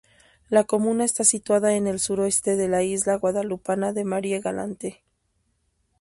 La comuna está situada en el suroeste de la isla guadalupana de Marie-Galante.